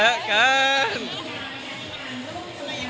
โอปซ์ค่ะมุม